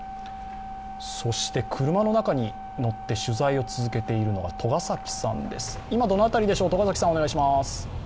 そして車の中に乗って取材を続けているのが栂崎さんです。